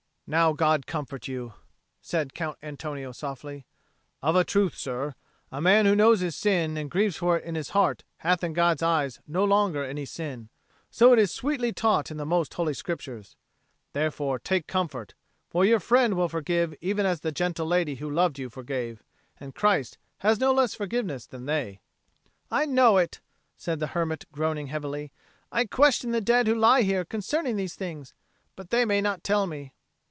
"Now God comfort you," said Count Antonio softly. "Of a truth, sir, a man who knows his sin and grieves for it in his heart hath in God's eyes no longer any sin. So is it sweetly taught in the most Holy Scriptures. Therefore take comfort; for your friend will forgive even as the gentle lady who loved you forgave; and Christ has no less forgiveness than they." "I know not," said the hermit, groaning heavily. "I question the dead who lie here concerning these things, but they may not tell me."